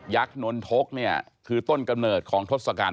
นนทกเนี่ยคือต้นกำเนิดของทศกัณฐ